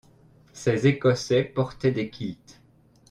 Ces Écossais portaient des kilts.